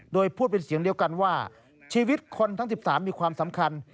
โดยพูดเป็นเสียงเดียวกันว่าชีวิตคนทั้ง๑๓มีความสำคัญ